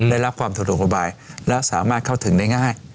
ได้รับความสะดวกสบายและสามารถเข้าถึงได้ง่าย